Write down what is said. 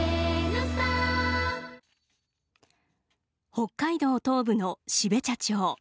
北海道東部の標茶町。